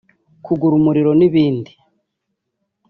kugura umuriro n’ibindi